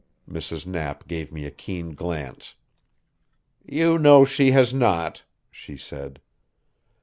Mrs. Knapp gave me a keen glance. "You know she has not," she said.